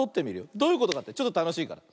どういうことかってちょっとたのしいから。